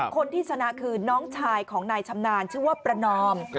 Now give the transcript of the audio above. คนที่ชนะคือน้องชายของนายชำนาญชื่อว่าประนอม